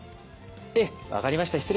ええ分かりました。